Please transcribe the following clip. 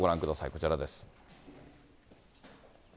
こちらです。